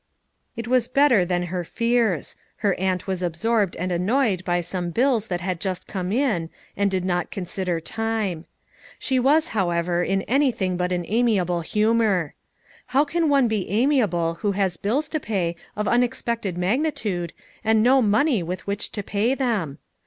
It was better than her fears. Her aunt was absorbed and annoyed by some bills that had just come in, and did not consider time. She was, however, in anything but an amiable hu mor. How can one be amiable who has bills to pay of unexpected magnitude, and no money with which to pay them?